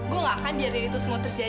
gue gak akan biar diri itu semua tercinta